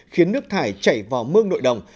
khiến nước thải chảy vào mương nội đồng